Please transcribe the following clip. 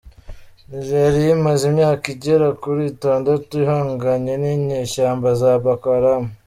Nigeria imaze imyaka igera kuri itandatu ihanganye n’inyeshyamba za Boko Haram.